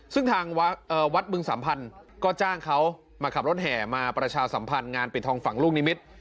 ซึ่งทางวัดบึงสัมพันธ์ก็จ้างเขามาขับรถแห่มาประชาสัมพันธ์งานปิดทองฝั่งลูกนิมิตร